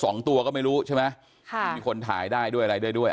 สองตัวก็ไม่รู้ใช่ไหมค่ะมีคนถ่ายได้ด้วยอะไรได้ด้วย